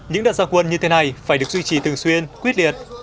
những đợt gia quân như thế này phải được duy trì thường xuyên quyết liệt